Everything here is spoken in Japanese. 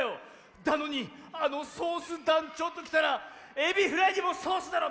なのにあのソースだんちょうときたら「エビフライにもソースだろ！